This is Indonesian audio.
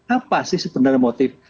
apa sih sebenarnya motif